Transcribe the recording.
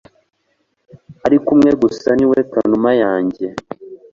ariko umwe gusa ni we kanuma kanjye